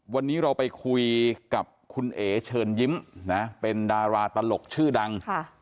วันนี้เราไปคุยกับคุณเอ๋เชิญยิ้มนะเป็นดาราตลกชื่อดัง